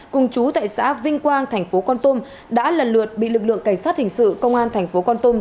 cùng chú tại xã vinh quang thành phố con tum đã lần lượt bị lực lượng cảnh sát hình sự công an thành phố con tum